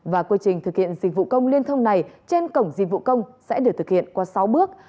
và quy trình thực hiện dịch vụ công liên thông này trên cổng dịch vụ công sẽ được thực hiện qua sáu bước